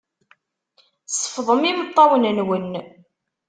Sefḍem imeṭṭawen-nwen.